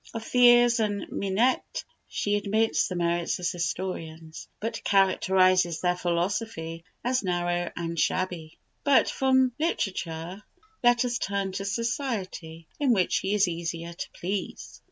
Of Thiers and Mignet she admits the merits as historians, but characterizes their philosophy as narrow and shabby. But from literature let us turn to society, in which she is easier to please.